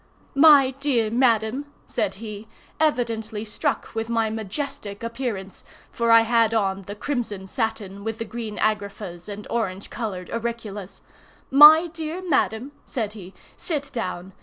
"My dear madam," said he, evidently struck with my majestic appearance, for I had on the crimson satin, with the green agraffas, and orange colored auriclas. "My dear madam," said he, "sit down.